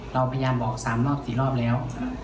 เราพยายามบอก๓รอบ๔รอบแล้ว